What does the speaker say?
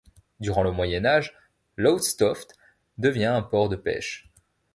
Durant le Moyen Âge, Lowestoft devient un port de pêche.